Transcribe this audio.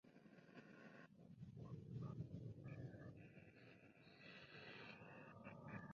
Ésta fue su primera experiencia significativa y una que parece haberle afectado enormemente.